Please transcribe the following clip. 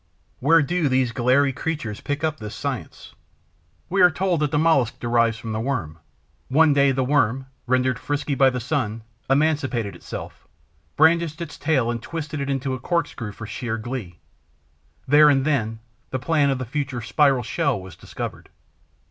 Where do these glairy creatures pick up this science? We are told that the Mollusc derives from the Worm. One day, the Worm, rendered frisky by the sun, emancipated itself, brandished its tail and twisted it into a corkscrew for sheer glee. There and then the plan of the future spiral shell was discovered.